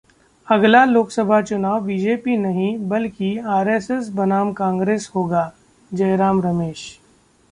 अगला लोकसभा चुनाव बीजेपी नहीं, बल्कि आरएसएस बनाम कांग्रेस होगा: जयराम रमेश